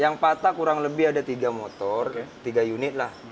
yang patah kurang lebih ada tiga motor tiga unit lah